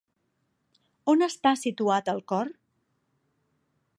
On està situat el cor?